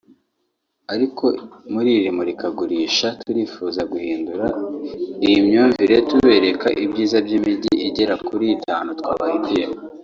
Ariko muri iri murikagurisha turifuza guhindura iyi myumvire tubereka ibyiza by’imijyi igera kuri itanu twabahitiyemo”